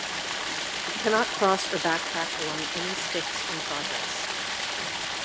It cannot cross or backtrack along any Stix in progress.